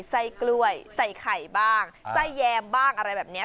ไส้กล้วยใส่ไข่บ้างไส้แยมบ้างอะไรแบบนี้